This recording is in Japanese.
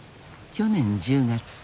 去年１０月。